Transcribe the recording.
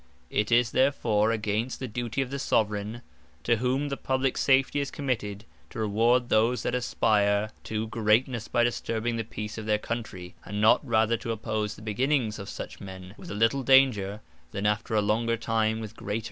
It is therefore against the Duty of the Soveraign, to whom the Publique Safety is committed, to Reward those that aspire to greatnesse by disturbing the Peace of their Country, and not rather to oppose the beginnings of such men, with a little danger, than after a longer time with greater.